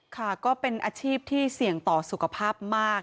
ค่ะก็เป็นอาชีพที่เสี่ยงต่อสุขภาพมาก